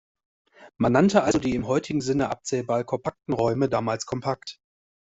Man nannte also die im heutigen Sinne abzählbar kompakten Räume damals kompakt.